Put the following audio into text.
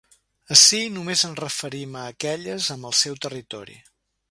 Ací només ens referim a aquelles amb seu al territori.